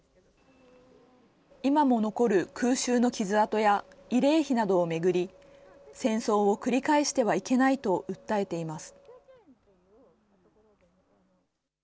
今も残る空襲の傷痕や慰霊碑などを巡り、戦争を繰り返してはいけないと訴えています。